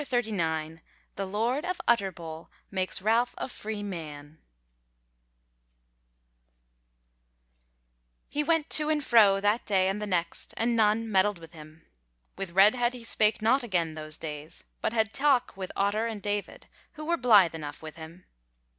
CHAPTER 39 The Lord of Utterbol Makes Ralph a Free Man He went to and fro that day and the next, and none meddled with him; with Redhead he spake not again those days, but had talk with Otter and David, who were blithe enough with him.